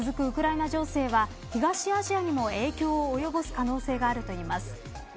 ウクライナ情勢は東アジアにも影響を及ぼす可能性があるといいます。